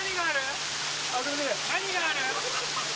何がある？